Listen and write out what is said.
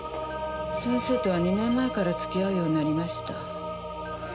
先生とは２年前から付き合うようになりました。